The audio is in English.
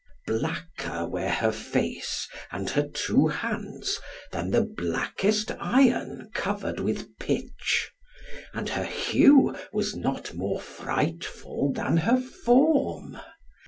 Blacker were her face and her two hands than the blackest iron covered with pitch; and her hue was not more frightful than her form.